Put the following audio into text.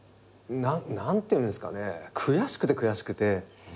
何ていうんですかね悔しくて悔しくて。